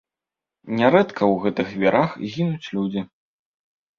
Нярэдка ў гэтых вірах гінуць людзі.